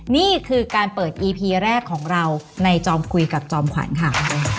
นี่คือการเปิดอีพีแรกของเราในจอมคุยกับจอมขวัญค่ะ